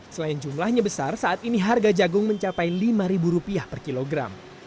selain jumlahnya besar saat ini harga jagung mencapai rp lima per kilogram